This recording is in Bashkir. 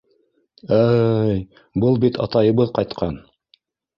Ә-ә-й, был бит атайыбыҙ ҡайтҡан!